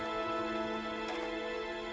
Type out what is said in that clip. ya yaudah kamu jangan gerak deh ya